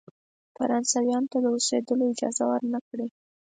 فرانسویانو ته د اوسېدلو اجازه ورنه کړی.